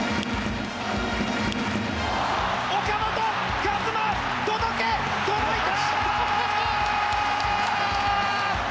岡本和真、届け、届いた！